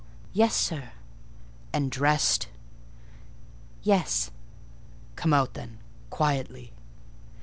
"Yes, sir." "And dressed?" "Yes." "Come out, then, quietly."